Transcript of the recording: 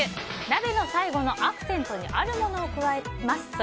鍋の最後のアクセントにあるものを加えます。